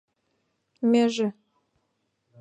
— Меже?